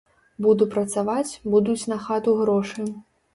Буду прадаваць, будуць на хату грошы.